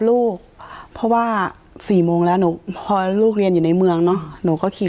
ลูกเพราะว่าสี่โมงแล้วหนูพอลูกเรียนอยู่ในเมืองเนอะหนูก็คิด